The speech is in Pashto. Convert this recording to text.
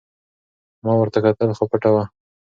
ما ورته کتل خو پټه وه.